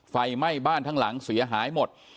ไฟไหม้บ้านทั้งหลังเสียหายหมด